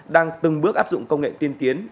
đang từng bước áp dụng công nghệ tiên tiến